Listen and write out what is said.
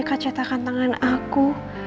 ini kacetakan tangan aku